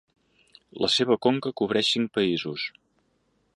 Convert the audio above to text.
La seva conca cobreix cinc països: